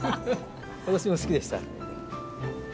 私も好きでした。